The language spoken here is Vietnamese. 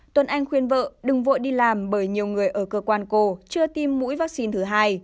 tuấn anh khuyên vợ đừng vội đi làm bởi nhiều người ở cơ quan cổ chưa tiêm mũi vaccine thứ hai